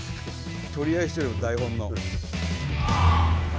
取り合いしてるよ台本の。